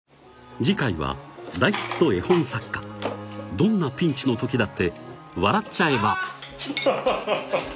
どんなピンチの時だって笑っちゃえばアハハハハハ！